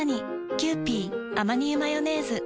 「キユーピーアマニ油マヨネーズ」